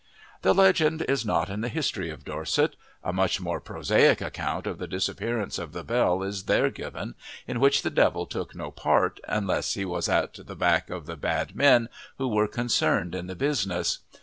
The legend is not in the history of Dorset; a much more prosaic account of the disappearance of the bell is there given, in which the Devil took no part unless he was at the back of the bad men who were concerned in the business.